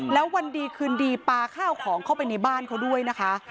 แล้ววันดีคืนดีปลาข้าวของเข้าไปในบ้านเขาด้วยนะคะ